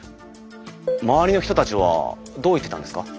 周りの人たちはどう言ってたんですか？